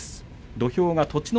土俵は栃ノ